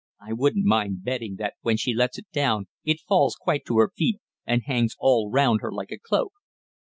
I wouldn't mind betting that when she lets it down it falls quite to her feet and hangs all round her like a cloak."